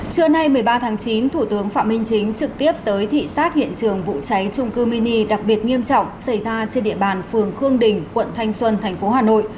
trưa nay một mươi ba tháng chín thủ tướng phạm minh chính trực tiếp tới thị xát hiện trường vụ cháy trung cư mini đặc biệt nghiêm trọng xảy ra trên địa bàn phường khương đình quận thanh xuân thành phố hà nội